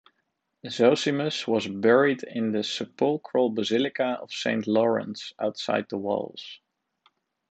Zosimus was buried in the sepulchral Basilica of Saint Lawrence outside the Walls.